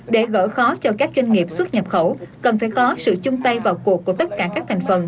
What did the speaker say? để gỡ khó cho các doanh nghiệp xuất nhập khẩu cần phải có sự chung tay vào cuộc của tất cả các thành phần